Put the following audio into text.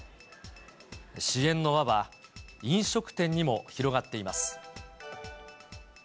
支援の輪は飲食店にも広がっています。